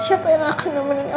siapa yang akan nomennya